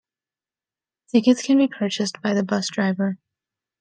Tickets can be purchased by the bus driver.